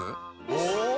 お！